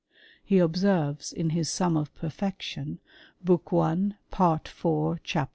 * He observes in his Sum of Perfection, book i. part iv. chap.